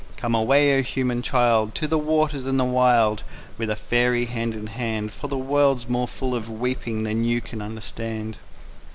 _Come away, O human child! To the waters and the wild With a faery, hand in hand, For the world's more full of weeping than you can understand.